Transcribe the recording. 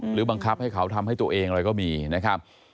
หรือบังคับให้เขาทำให้ตัวเองอะไรก็มีนะครับ